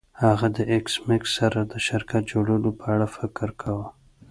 هغه د ایس میکس سره د شرکت جوړولو په اړه فکر کاوه